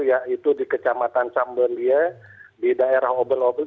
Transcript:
yaitu di kecamatan sambendie di daerah obel obel